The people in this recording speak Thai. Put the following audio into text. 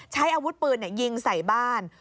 ใช้อาวุธปืนยิงใส่บ้าน